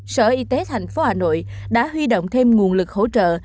sở y tế thành phố hà nội đã huy động thêm nguồn lực hỗ trợ